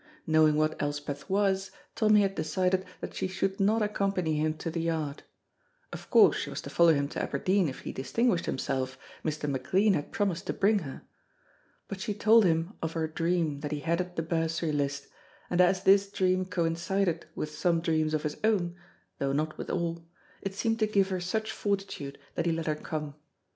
Knowing what Elspeth was, Tommy had decided that she should not accompany him to the yard (of course she was to follow him to Aberdeen if he distinguished himself Mr. McLean had promised to bring her), but she told him of her dream that he headed the bursary list, and as this dream coincided with some dreams of his own, though not with all, it seemed to give her such fortitude that he let her come.